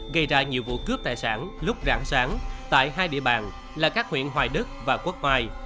gây ra nhiều vụ cướp tài sản lúc rạng sáng tại hai địa bàn là các huyện hoài đức và quốc hoài